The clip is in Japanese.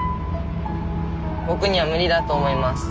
僕には無理だと思います。